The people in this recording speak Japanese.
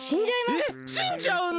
えっしんじゃうの！？